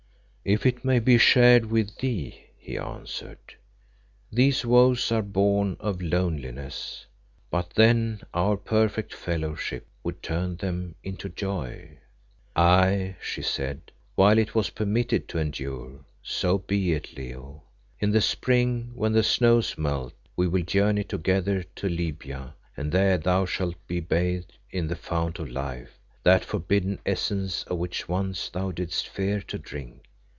"If it may be shared with thee," he answered. "These woes are born of loneliness, but then our perfect fellowship would turn them into joy." "Aye," she said, "while it was permitted to endure. So be it, Leo. In the spring, when the snows melt, we will journey together to Libya, and there thou shalt be bathed in the Fount of Life, that forbidden Essence of which once thou didst fear to drink.